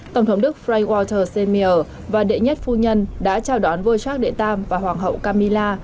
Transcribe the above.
tổng thống đức frank walter seymour và đệ nhất phu nhân đã chào đón vua charles iii và hoàng hậu camilla